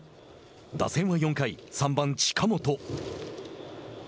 打線は４回、３番近本。